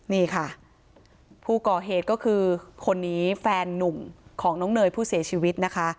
นี่ค่ะผู้ก่อเหตุก็คือคนนี้แฟนนุ่มของน้องเนยผู้เสียชีวิตนะคะ